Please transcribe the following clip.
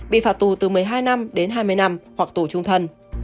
bị phạt tù từ một mươi hai năm đến hai mươi năm hoặc tù trung thân